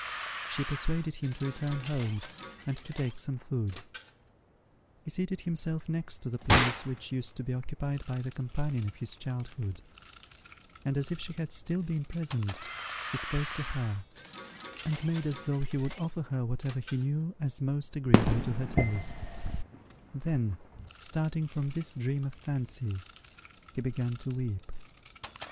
She persuaded him to return home, and to take some food. He seated himself next to the place which used to be occupied by the companion of his childhood; and, as if she had still been present, he spoke to her, and made as though he would offer her whatever he knew as most agreeable to her taste: then, starting from this dream of fancy, he began to weep.